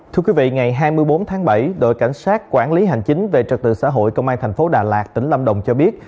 thưa quý vị ngày hai mươi bốn tháng bảy đội cảnh sát quản lý hành chính về trật tự xã hội công an thành phố đà lạt tỉnh lâm đồng cho biết